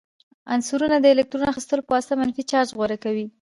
عنصرونه د الکترون اخیستلو په واسطه منفي چارج غوره کوي.